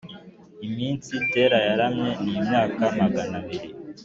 Iminsi Tera yaramye ni imyaka magana abiri